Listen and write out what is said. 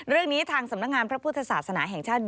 เรื่องนี้ทางสำนักงานพระพุทธศาสนาแห่งชาติ